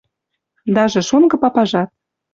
Даже шонгы папажат